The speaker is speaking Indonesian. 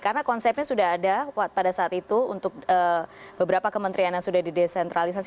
karena konsepnya sudah ada pada saat itu untuk beberapa kementerian yang sudah didesentralisasi